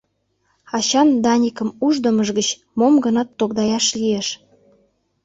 Ачан Даникым уждымыж гыч мом-гынат тогдаяш лиеш.